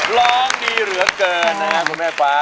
ร้องดีเหลือเกินนะครับคุณแม่ฟ้า